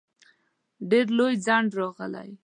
ډېر لوی ځنډ راتلی.